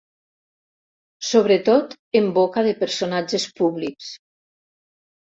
Sobretot en boca de personatges públics.